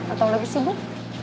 atau lagi sibuk